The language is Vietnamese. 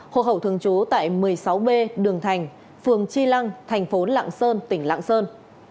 hộ khẩu thường trú tại một mươi sáu b đường thành phường chi lăng thành phố lạng sơn tỉnh lạng sơn